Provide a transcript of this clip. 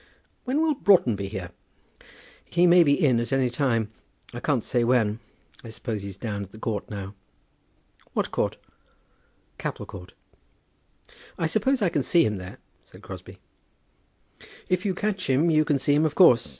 "When will Broughton be here?" "He may be in at any time; I can't say when. I suppose he's down at the court now." "What court?" "Capel Court." "I suppose I can see him there?" said Crosbie. "If you catch him you can see him, of course.